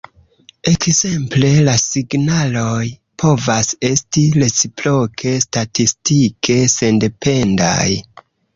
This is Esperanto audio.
Ekzemple, la signaloj povas esti reciproke statistike sendependaj.